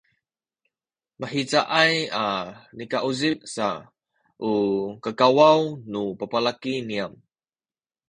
mahizaay a nikauzip sa u kakawaw nu babalaki niyam